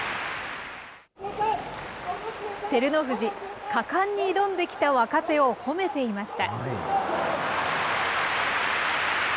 照ノ富士、果敢に挑んできた若手を褒めていました。